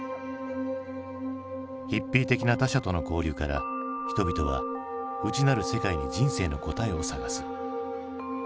ヒッピー的な他者との交流から人々は内なる世界に人生の答えを探す。